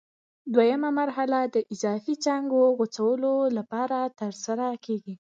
دوه یمه مرحله د اضافي څانګو غوڅولو لپاره ترسره کېږي.